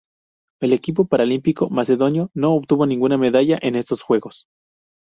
El equipo paralímpico macedonio no obtuvo ninguna medalla en estos Juegos.